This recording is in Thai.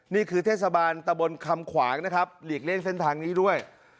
นี่คือเทศบาลตะบนคำขวางนะครับหลีกเลี่ยงเส้นทางนี้ด้วย